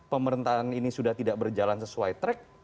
pemerintahan ini sudah tidak berjalan sesuai track